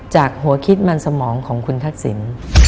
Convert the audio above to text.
จากหัวคิดมันสมองของคุณทักษิณ